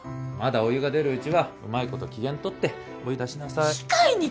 まだお湯が出るうちはうまいこと機嫌取ってお湯出しなさい。